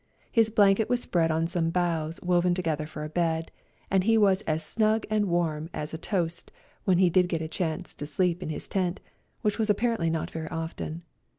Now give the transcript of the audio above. His blanket was spread on some boughs woven together for a bed, and he was as snug and warm as a toast when he did get a chance to sleep in his tent, which was apparently not very often.